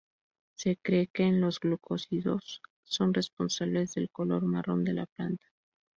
Se cree que los glucósidos son responsables del color marrón de la planta.